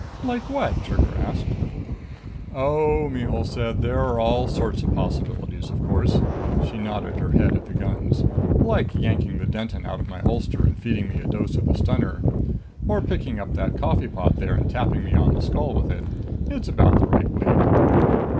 "Like what?" Trigger asked. "Oh," Mihul said, "there're all sorts of possibilities, of course." She nodded her head at the guns. "Like yanking the Denton out of my holster and feeding me a dose of the stunner. Or picking up that coffee pot there and tapping me on the skull with it. It's about the right weight."